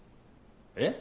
えっ？